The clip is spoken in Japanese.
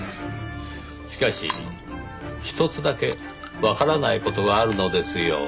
しかし一つだけわからない事があるのですよ。